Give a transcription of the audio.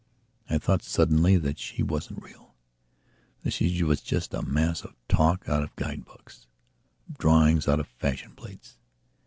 I thought suddenly that she wasn't real; she was just a mass of talk out of guidebooks, of drawings out of fashion plates.